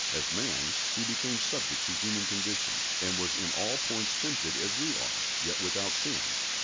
As man, He became subject to human conditions, and was in all points tempted as we are, yet without sin.